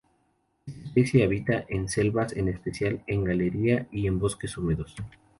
Esta especie habita en selvas, en especial en galería, y en bosques húmedos.